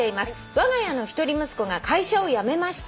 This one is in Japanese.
「わが家の一人息子が会社を辞めました」